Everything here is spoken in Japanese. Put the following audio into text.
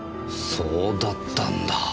そうだったんだぁ。